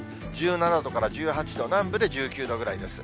１７度から１８度、南部で１９度ぐらいです。